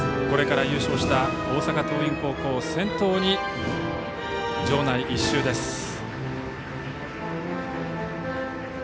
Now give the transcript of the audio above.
これから優勝した大阪桐蔭先頭に場内１周です。